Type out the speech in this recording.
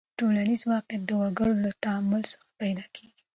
ټولنیز واقعیت د وګړو له تعامل څخه پیدا کیږي.